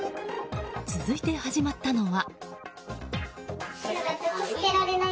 続いて始まったのは。